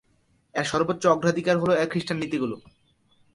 এর সর্বোচ্চ অগ্রাধিকার হ'ল এর খ্রিস্টান নীতিগুলি।